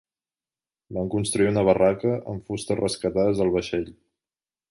Van construir una barraca amb fustes rescatades del vaixell.